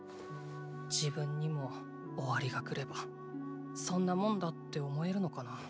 自分にも終わりが来ればそんなもんだって思えるのかな。